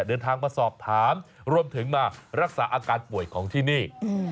เดินทางมาสอบถามรวมถึงมารักษาอาการป่วยของที่นี่